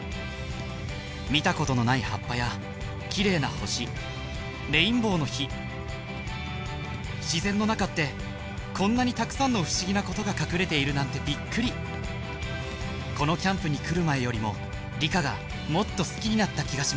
見たことのない葉っぱや綺麗な星レインボーの火自然の中ってこんなにたくさんの不思議なことが隠れているなんてびっくりこのキャンプに来る前よりも理科がもっと好きになった気がします